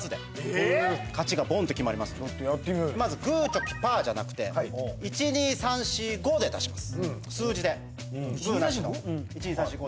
まずグーチョキパーじゃなくて１２３４５で出します数字で１２３４５？